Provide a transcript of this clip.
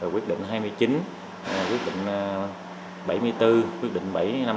quyết định hai mươi chín quyết định bảy mươi bốn quyết định bảy mươi năm năm mươi bảy